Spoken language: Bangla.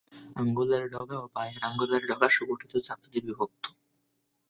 আঙ্গুলের ডগা ও পায়ের আঙ্গুলের ডগা সুগঠিত চাকতিতে বিভক্ত।